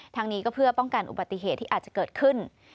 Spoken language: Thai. ทางนี้ก็เพื่อป้องกันอุบัติเหตุที่อาจจะเกิดขึ้น